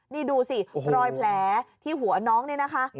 นี่ดูสิรอยแผลที่หัวน้องนี่นะคะ